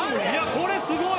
これすごい！